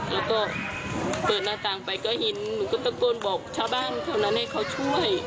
แล้วก็เปิดหน้าต่างไปก็เห็นหนูก็ตะโกนบอกชาวบ้านเท่านั้นให้เขาช่วย